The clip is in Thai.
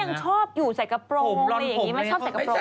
เขายังชอบอยู่ใส่กระโปรงหรืออย่างนี้ไม่ชอบใส่กระโปรงไหม